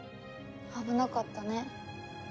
危なかったね。